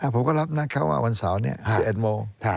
ผมก็รับนัดเขาว่าวันเสาร์เนี่ยแอดโม